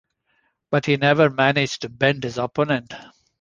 But he never managed to bend his opponent.